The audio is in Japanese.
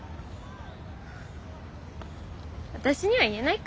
私には言えないか。